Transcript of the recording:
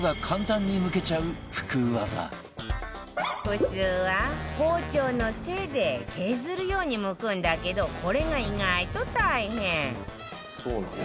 普通は包丁の背で削るようにむくんだけどこれが意外と大変